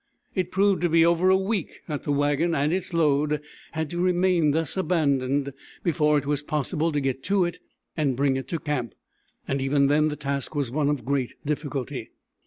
It proved to be over a week that the wagon and its load had to remain thus abandoned before it was possible to get to it and bring it to camp, and even then the task was one of great difficulty.